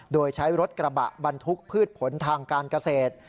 โดยใช้รถกระบะบรรทุกพืชผลทางการเกษตร